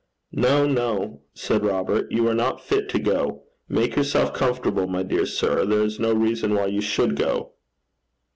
'No, no,' said Robert, 'you are not fit to go. Make yourself comfortable, my dear sir. There is no reason why you should go.'